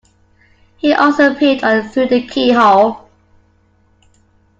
He also appeared on "Through the Keyhole".